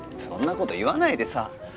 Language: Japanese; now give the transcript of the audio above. そんな事言わないでさ。